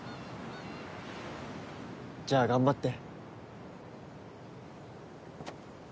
じゃあ頑張って。